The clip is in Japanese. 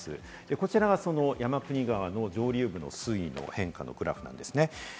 こちらは山国川の上流部の水位の変化のグラフです。